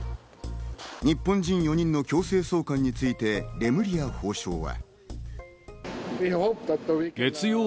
日本人４人の強制送還についてレムリヤ法相は。